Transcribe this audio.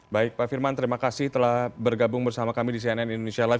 baik pak firman terima kasih telah bergabung bersama kami di cnn indonesia live